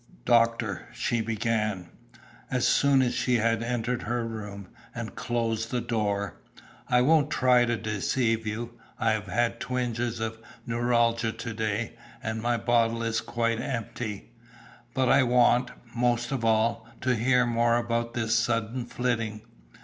"Doctor," she began, as soon as he had entered her room, and closed the door. "I won't try to deceive you. I have had twinges of neuralgia to day, and my bottle is quite empty. But I want, most of all, to hear more about this sudden flitting.